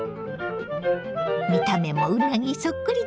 見た目もうなぎそっくりでしょ。